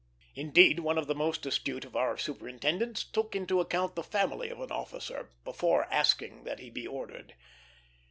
Indeed, one of the most astute of our superintendents took into account the family of an officer before asking that he be ordered.